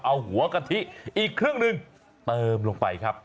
เอาหัวกะทิอีกครึ่งหนึ่งเติมลงไปครับ